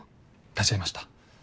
立ち会いました。